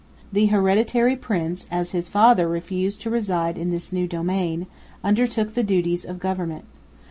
The hereditary prince, as his father refused to reside in this new domain, undertook the duties of government.